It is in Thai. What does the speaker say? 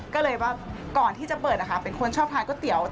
ก็เลยว่าก่อนที่จะเปิดนะคะเป็นคนชอบทานก๋วยเตี๋ยว